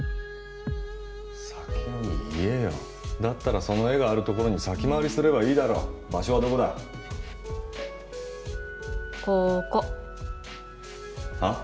先に言えよだったらその絵があるところに先回りすればいいだろ場所はどこだこーこはっ？